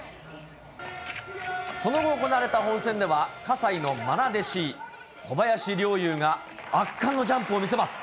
その後、行われた本戦では、葛西のまな弟子、小林陵侑が圧巻のジャンプを見せます。